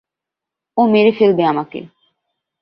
ও মেরে ফেলবে তোমাকে।